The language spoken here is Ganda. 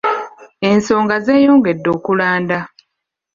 Ensonga zeeyongedde okulanda.